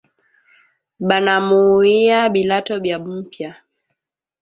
Banamuuwia bilato bya mupya